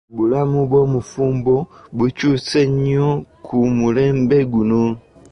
Obulamu bw'obufumbo bukyuse nnyo ku mulembe guno.